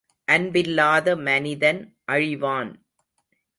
அன்பில்லாத மனிதன் அழிவான்!